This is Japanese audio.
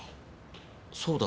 そうだ